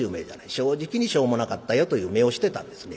正直にしょうもなかったよという目をしてたんですね。